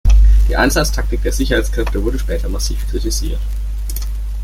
Die Einsatztaktik der Sicherheitskräfte wurde später massiv kritisiert.